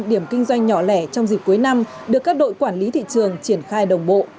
điểm kinh doanh nhỏ lẻ trong dịp cuối năm được các đội quản lý thị trường triển khai đồng bộ